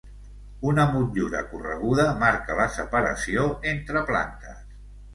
Una motllura correguda marca la separació entre plantes.